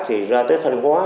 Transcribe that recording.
thì ra tới thanh hóa